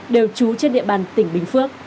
đều trú trên địa phương